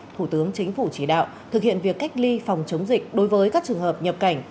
thủ tướng chính phủ chỉ đạo thực hiện việc cách ly phòng chống dịch đối với các trường hợp nhập cảnh